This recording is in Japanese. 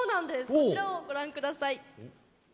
こちらをご覧下さい。